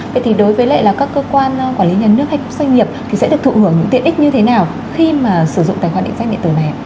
vậy thì đối với các cơ quan quản lý nhà nước hay doanh nghiệp thì sẽ được thụ hưởng những tiện ích như thế nào khi mà sử dụng tài khoản định danh điện tử này